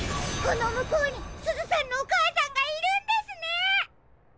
このむこうにすずさんのおかあさんがいるんですね！